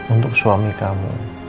untuk suami kamu